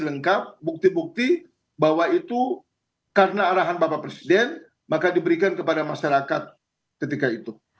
lengkap bukti bukti bahwa itu karena arahan bapak presiden maka diberikan kepada masyarakat ketika itu